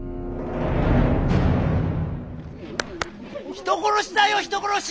人殺しだよ人殺し！